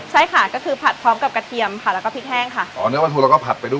ใช่ค่ะก็คือผัดพร้อมกับกระเทียมค่ะแล้วก็พริกแห้งค่ะอ๋อเนื้อปลาทูเราก็ผัดไปด้วย